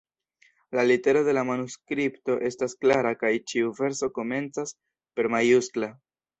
La litero de la manuskripto estas klara kaj ĉiu verso komencas per majuskla.